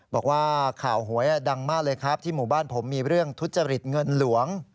บอกว่าข่าวหวยดังมากเลยครับที่หมู่บ้านผมมีเรื่องทุจริตเงินหลวง